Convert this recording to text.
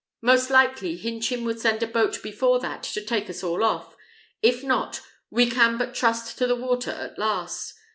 Most likely Hinchin will send a boat before that to take us all off. If not, we can but trust to the water at last.